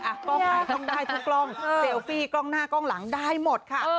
อ่ะกล้องไหล่ทุกตัวเกลียดตรงแซลฟี่กล้องหน้ากล้องหลังได้หมดค่ะ